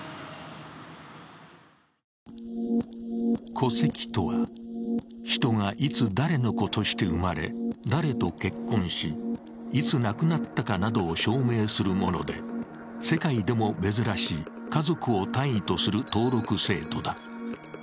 戸籍とは、人がいつ誰の子として生まれ誰と結婚し、いつ亡くなったかなどを証明するもので世界でも珍しい、家族を単位とする登録制度だ。